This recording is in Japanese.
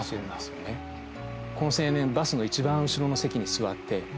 この青年バスの一番後ろの席に座って。